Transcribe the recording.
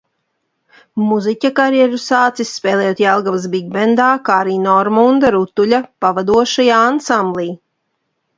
Mūziķa karjeru sācis, spēlējot Jelgavas Bigbendā, kā arī Normunda Rutuļa pavadošajā ansamblī.